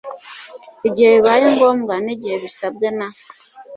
igihe bibaye ngombwa n igihe bisabwe na